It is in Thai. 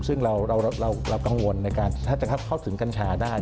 ซึ่งเรากังวลในการถ้าจะเข้าถึงกัญชาได้